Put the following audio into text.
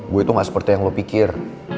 gue itu gak seperti yang lo pikir